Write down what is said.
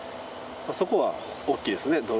そこは大きいですね。